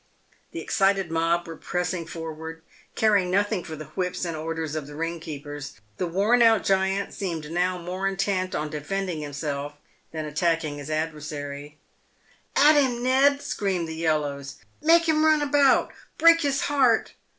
The excited mob were pressing forward, caring nothing for the whips and orders of the ring keepers. The worn out giant seemed now more intent on defending himself than attack 192 PAVED WITH GOLD. ing his adversary. " At him, Ned," screamed the yellows. " Make him run about!" " Break his heart